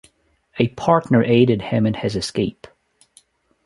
A partner aided him in his escape.